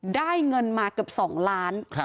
ได้เงินมาเกือบ๒ล้าน